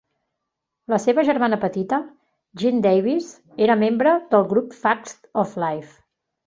La seva germana petita, Jean Davis, era membre del grup Facts of Life.